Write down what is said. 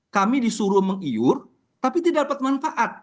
kami disuruh mengiur tapi tidak dapat manfaat